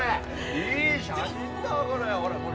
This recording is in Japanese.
いい写真だわこれ。